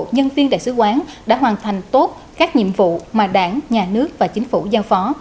một nhân viên đại sứ quán đã hoàn thành tốt các nhiệm vụ mà đảng nhà nước và chính phủ giao phó